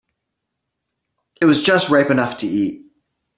It was just ripe enough to eat.